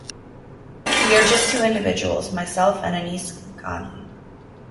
We are just two individuals, myself and Anees Kaimkhani.